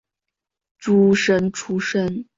诸生出身。